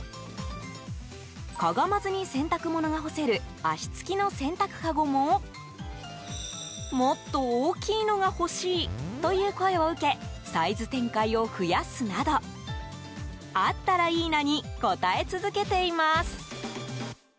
かがまずに洗濯物が干せる足つきの洗濯かごももっと大きいのが欲しいという声を受けサイズ展開を増やすなどあったらいいなに応え続けています。